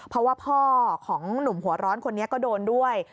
เพราะว่าพ่อของหนุ่มหัวร้อนคนนี้ก็โดนด้วย